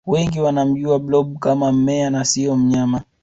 wengi wanamjua blob kama mmea na siyo mnyama